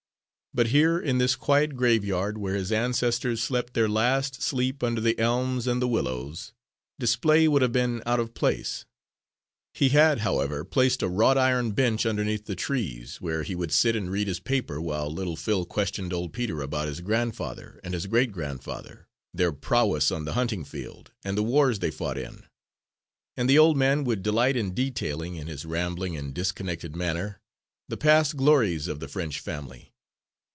But here, in this quiet graveyard, where his ancestors slept their last sleep under the elms and the willows, display would have been out of place. He had, however, placed a wrought iron bench underneath the trees, where he would sit and read his paper, while little Phil questioned old Peter about his grandfather and his great grandfather, their prowess on the hunting field, and the wars they fought in; and the old man would delight in detailing, in his rambling and disconnected manner, the past glories of the French family.